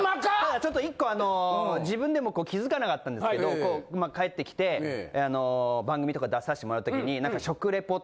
ちょっと１個あの自分でも気づかなかったんですけどまあ帰ってきて番組とか出さしてもらったときに。